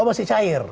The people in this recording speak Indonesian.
oh masih cair